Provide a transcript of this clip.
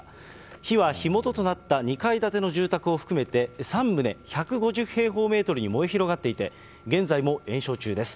火は、火元となった２階建ての住宅を含めて、３棟１５０平方メートルに燃え広がっていて、現在も延焼中です。